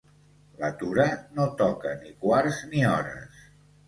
La Tura no toca ni quarts ni hores.